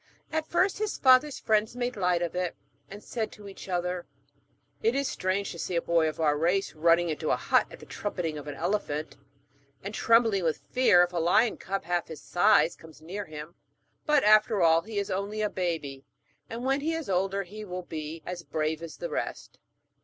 At first his father's friends made light of it, and said to each other: 'It is strange to see a boy of our race running into a hut at the trumpeting of an elephant, and trembling with fear if a lion cub half his size comes near him; but, after all, he is only a baby, and when he is older he will be as brave as the rest.'